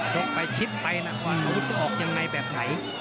ไปคิดไปนะว่าอาวุธจะออกยังไงแบบไหน